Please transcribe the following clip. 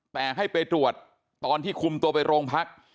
แต่ให้ไปตรวจตอนที่คุมตัวไปโรงพัก